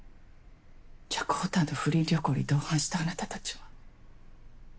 じゃ昂太の不倫旅行に同伴したあなたたちは？